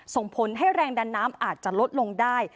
ส่งผลให้แรงดันน้ำอาจจะลดลงได้